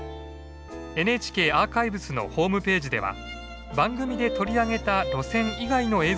ＮＨＫアーカイブスのホームページでは番組で取り上げた路線以外の映像もご覧頂けます。